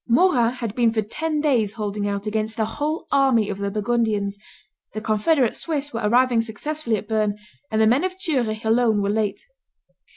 Morat had been for ten days holding out against the whole army of the Burgundians; the confederate Swiss were arriving successively at Berne; and the men of Zurich alone were late.